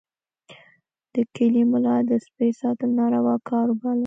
د کلي ملا د سپي ساتل ناروا کار باله.